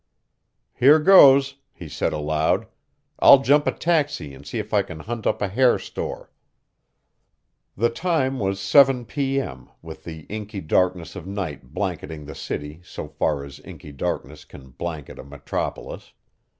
"Here goes," he said aloud. "I'll jump a taxi and see if I can hunt up a hair store!" The time was 7 P. M., with the inky darkness of night blanketing the city so far as inky darkness can blanket a metropolis.